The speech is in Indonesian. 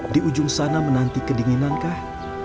di ujung sana menanti kedinginankah